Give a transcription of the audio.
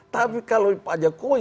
tapi kalau pak jokowi